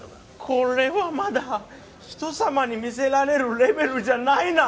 これはまだ人様に見せられるレベルじゃないな！